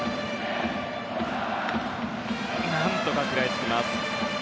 なんとか食らいつきます。